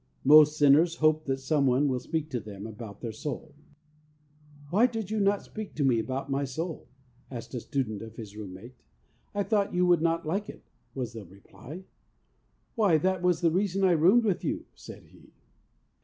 Most sinners hope that some one will speak to them about their soul. ' Why did you not speak to me about my soul ?' asked a student of his room mate. ' I thought you would not like it,' was the reply. ' Why, that was the reason I roomed with you,' said he.